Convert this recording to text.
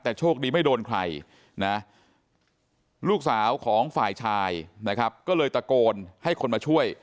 แต่โชคดีไม่โดนใครนะลูกสาวของฝ่ายชายนะครับก็เลยตะโกนให้คนมาช่วย